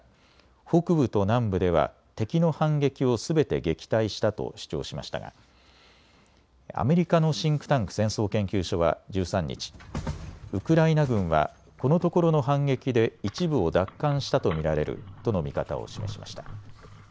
北部と南部では敵の反撃をすべて撃退したと主張しましたがアメリカのシンクタンク戦争研究所は１３日、ウクライナ軍はこのところの反撃で一部を奪還したと見られるとの見方を示しました。